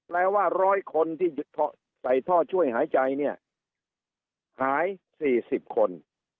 แปลว่า๑๐๐คนที่ใส่ท่อช่วยหายใจเนี่ยหาย๔๐คน